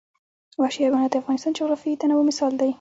وحشي حیوانات د افغانستان د جغرافیوي تنوع مثال دی.